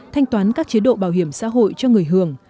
thanh toán các chế độ bảo hiểm xã hội cho người hưởng